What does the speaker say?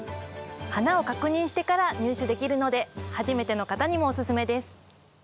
花を確認してから入手できるので初めての方にもオススメです。